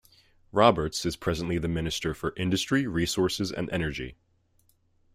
Roberts is presently the Minister for Industry, Resources and Energy.